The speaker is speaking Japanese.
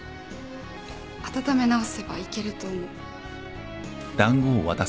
温め直せばいけると思う。